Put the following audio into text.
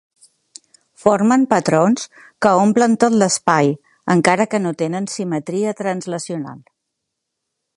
Formen patrons que omplen tot l'espai encara que no tenen simetria translacional.